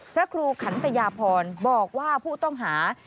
พระครูขันตยาพรบอกว่าผู้ต้องหา